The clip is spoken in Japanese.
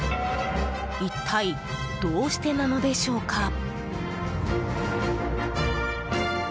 一体どうしてなのでしょうか？